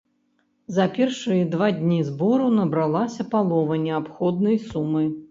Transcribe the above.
За першыя два дні збору набралася палова неабходнай сумы.